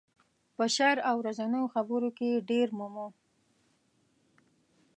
په شعر او ورځنیو خبرو کې یې ډېر مومو.